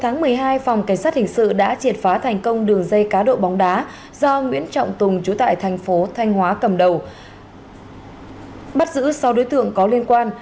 ngày một mươi hai phòng cảnh sát hình sự đã triệt phá thành công đường dây cá độ bóng đá do nguyễn trọng tùng trú tại thành phố thanh hóa cầm đầu bắt giữ sau đối tượng có liên quan